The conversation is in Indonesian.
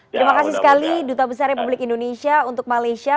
terima kasih sekali duta besar republik indonesia untuk malaysia